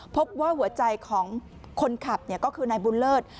พบว่าหัวใจของคนขับก็คือนายบุญเลิศ